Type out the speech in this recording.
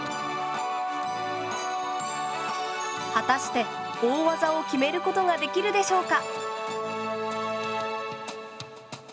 果たして大技を決めることができるでしょうか？